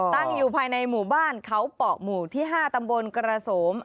ตั้งอยู่ภายในหมู่บ้านเขาเปาะหมู่ที่๕ตำบลกระโสม